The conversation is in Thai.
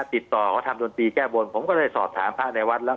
ติดต่อเขาทำดนตรีแก้บนผมก็เลยสอบถามพระในวัดแล้ว